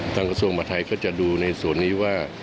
ทางกระทรวงมหัฒน์ไทยเขาจะดูในส่วนนี้ว่า